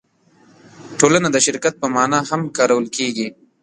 ټولنه د شرکت په مانا هم کارول کېږي.